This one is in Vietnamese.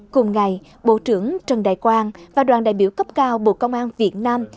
cùng ngày bộ trưởng trần đại quang và đoàn đại biểu cấp cao bộ công an việt nam